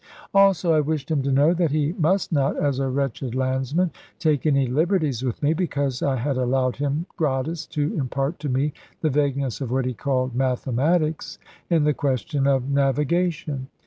Also I wished him to know that he must not, as a wretched landsman, take any liberties with me, because I had allowed him gratis to impart to me the vagueness of what he called "Mathematics," in the question of navigation.